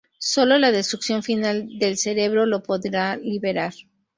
Sólo la destrucción final del cerebro lo podrá liberar.